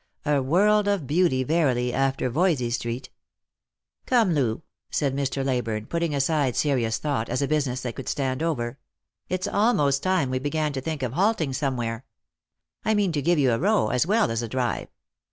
A world of beauty verily, after Voysey street. "Come, Loo," said Mr. Leyburne, putting aside serious thought as a business that could stand over, " it's almost time we began to think of halting somewhere. I mean to give you a row, as well as a drive.